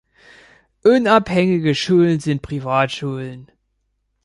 Unabhängige Schulen sind Privatschulen.